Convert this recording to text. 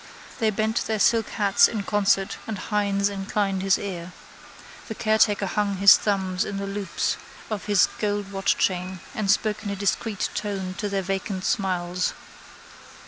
They bent their silk hats in concert and Hynes inclined his ear. The caretaker hung his thumbs in the loops of his gold watchchain and spoke in a discreet tone to their vacant smiles.